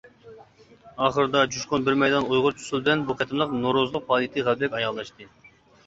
ئاخىرىدا جۇشقۇن بىر مەيدان ئۇيغۇرچە ئۇسۇل بىلەن بۇ قېتىملىق نورۇزلۇق پائالىيىتى غەلىبىلىك ئاياغلاشتى.